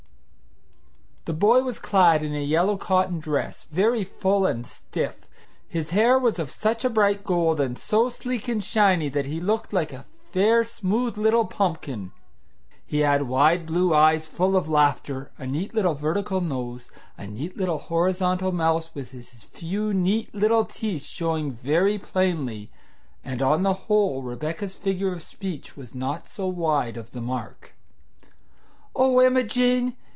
The boy was clad in a yellow cotton dress, very full and stiff. His hair was of such a bright gold, and so sleek and shiny, that he looked like a fair, smooth little pumpkin. He had wide blue eyes full of laughter, a neat little vertical nose, a neat little horizontal mouth with his few neat little teeth showing very plainly, and on the whole Rebecca's figure of speech was not so wide of the mark. "Oh, Emma Jane!